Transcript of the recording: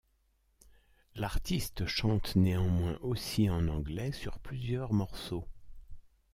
L'artiste chante néanmoins aussi en anglais sur plusieurs morceaux.